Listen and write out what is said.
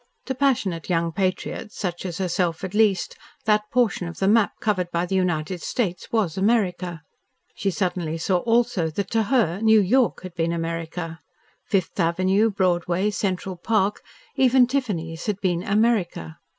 To passionate young patriots such as herself at least, that portion of the map covered by the United States was America. She suddenly saw also that to her New York had been America. Fifth Avenue Broadway, Central Park, even Tiffany's had been "America."